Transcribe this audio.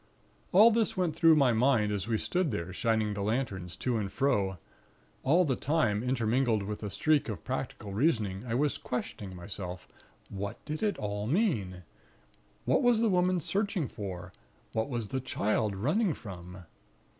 All this went through my mind as we stood there, shining the lanterns to and fro. All the time, intermingled with a streak of practical reasoning, I was questioning myself, what did it all mean? What was the Woman searching for; what was the Child running from?